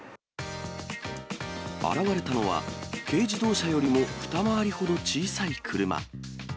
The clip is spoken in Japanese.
現れたのは、軽自動車よりも二回りほど小さい車。